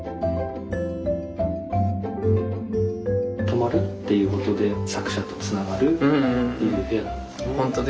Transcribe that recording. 泊まるっていうことで作者とつながるっていう部屋なんですね。